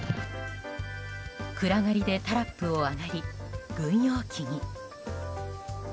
暗がりでタラップを上がり軍用機に。